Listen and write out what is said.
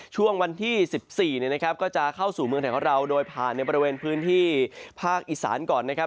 ช่วงวันที่๑๔ก็จะเข้าสู่เมืองไทยของเราโดยผ่านในบริเวณพื้นที่ภาคอีสานก่อนนะครับ